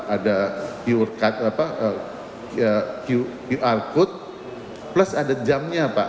ada qr code plus ada jamnya pak